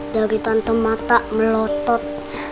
dari tante mata melotot